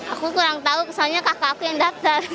aku kurang tahu soalnya kakak aku yang daftar